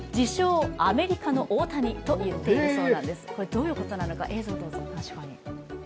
どういうことなのか、映像をどうぞ。